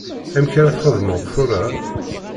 Amek ara txedmeḍ tura?